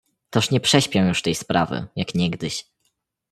"Toż nie prześpią już tej sprawy, jak niegdyś."